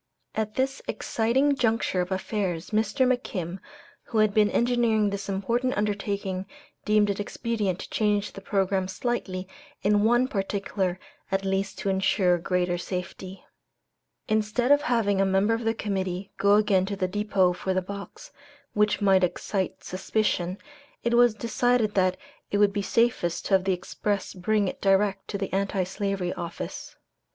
At this exciting juncture of affairs, Mr. McKim, who had been engineering this important undertaking, deemed it expedient to change the programme slightly in one particular at least to insure greater safety. Instead of having a member of the Committee go again to the depot for the box, which might excite suspicion, it was decided that it would be safest to have the express bring it direct to the Anti Slavery Office.